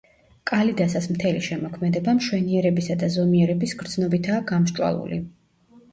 კალიდასას მთელი შემოქმედება მშვენიერებისა და ზომიერების გრძნობითაა გამსჭვალული.